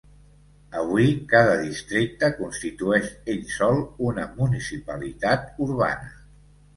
Avui, cada districte constitueix ell sol una municipalitat urbana.